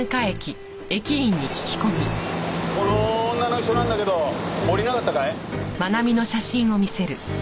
この女の人なんだけど降りなかったかい？